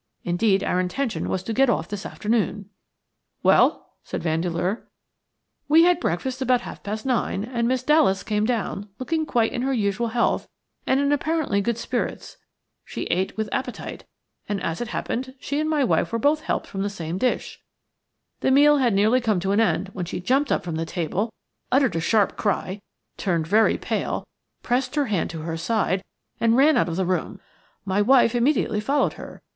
Indeed, our intention was to get off this afternoon." "Well?" said Vandeleur. "We had breakfast about half past nine, and Miss Dallas came down, looking quite in her usual health, and in apparently good spirits. She ate with appetite, and, as it happened, she and my wife were both helped from the same dish. The meal had nearly come to end when she jumped up from the table, uttered a sharp cry, turned very pale, pressed her hand to her side, and ran out of the room. My wife immediately followed her.